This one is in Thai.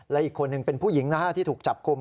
และอีกคนหนึ่งเป็นผู้หญิงนะฮะที่ถูกจับกลุ่ม